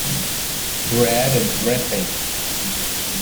Bread and dripping.